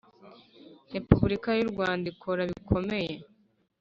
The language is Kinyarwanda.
Repubulika y’ u Rwanda ikora bikomeye.